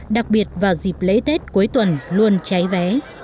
đặc biệt vào dịp lễ tết cuối tuần luôn cháy vé